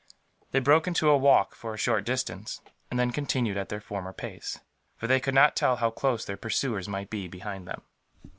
They broke into a walk, for a short distance; and then continued at their former pace, for they could not tell how close their pursuers might be behind them.